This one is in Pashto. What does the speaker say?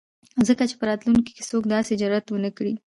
ځکه چې په راتلونکي ،کې څوک داسې جرات ونه کړي.